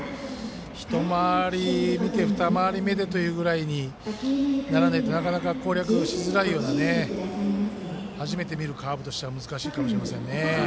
１回り見て２回り目でというふうにならないとなかなか攻略しづらいような初めて見るカーブとしては難しいかもしれないですね。